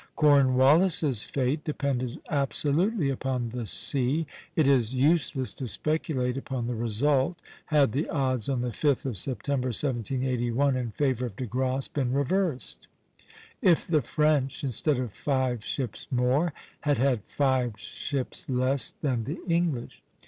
Cornwallis's fate depended absolutely upon the sea. It is useless to speculate upon the result, had the odds on the 5th of September, 1781, in favor of De Grasse, been reversed; if the French, instead of five ships more, had had five ships less than the English.